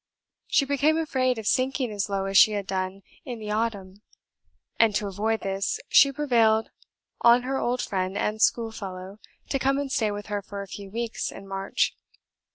She became afraid of sinking as low as she had done in the autumn; and to avoid this, she prevailed on her old friend and schoolfellow to come and stay with her for a few weeks in March.